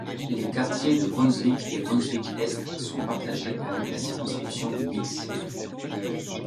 Les quartiers de Brunswick et Brunswick Est sont partagés avec la circonscription de Wills.